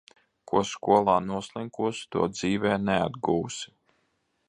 Ko skolā noslinkosi, to dzīvē neatgūsi.